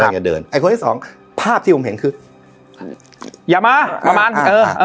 จะเดินไอ้คนที่สองภาพที่ผมเห็นคืออย่ามาประมาณเออเออ